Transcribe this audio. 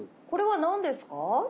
これは何ですか？